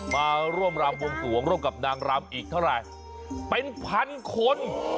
มาร่วมรำวงสวงร่วมกับนางรำอีกเท่าไหร่เป็นพันคน